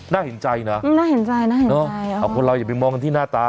น่าเห็นใจเนอะนะอะคือเราอย่าไปมองที่หน้าตา